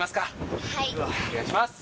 お願いします。